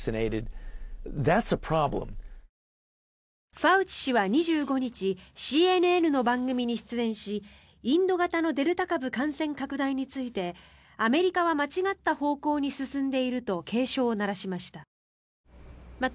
ファウチ氏は２５日ＣＮＮの番組に出演しインド型のデルタ株感染拡大についてアメリカは間違った方向に進んでいると警鐘を鳴らしました。